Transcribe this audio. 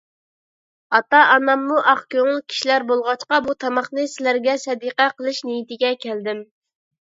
ئاتا - ئاناممۇ ئاق كۆڭۈل كىشىلەر بولغاچقا، بۇ تاماقنى سىلەرگە سەدىقە قىلىش نىيىتىگە كەلدىم.